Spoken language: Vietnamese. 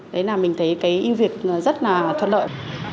đấy là mình thấy hữu việt rất là thuận lợi